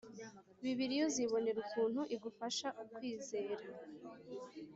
Bibiliya uzibonera ukuntu igufasha ukwizera